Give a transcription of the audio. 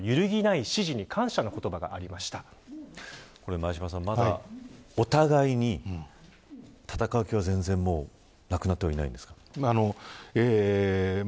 前嶋さんまだ、お互いに戦う気は全然なくなってはいないんですか。